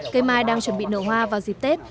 cây mai đang chuẩn bị nở hoa vào dịp tết